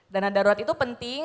dana darurat itu penting